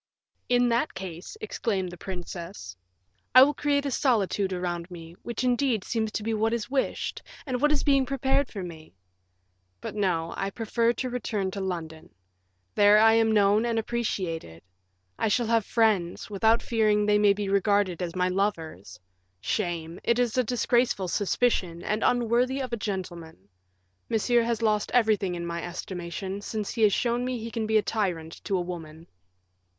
"In that case," exclaimed the princess, "I will create a solitude around me, which indeed seems to be what is wished, and what is being prepared for me. But no, I prefer to return to London. There I am known and appreciated. I shall have friends, without fearing they may be regarded as my lovers. Shame! it is a disgraceful suspicion, and unworthy a gentleman. Monsieur has lost everything in my estimation, since he has shown me he can be a tyrant to a woman."